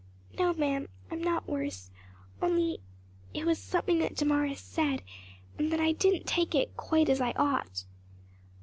"No, ma'am, I'm not worse only it was something that Damaris said; and that I didn't take it quite as I ought.